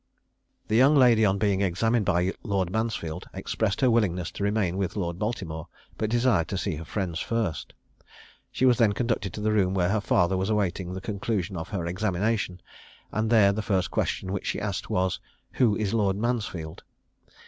The young lady, on being examined by Lord Mansfield, expressed her willingness to remain with Lord Baltimore, but desired to see her friends first. She was then conducted to the room where her father was awaiting the conclusion of her examination; and there the first question which she asked was, "Who is Lord Mansfield?"